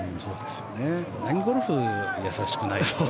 そんなにゴルフは易しくないよ。